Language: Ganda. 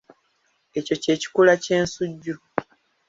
Ekyo kye kikula ky’ensujju.